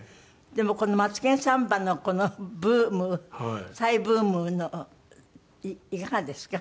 でもこの『マツケンサンバ』のこのブーム再ブームのいかがですか？